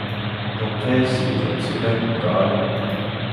凍啡少甜少冰唔該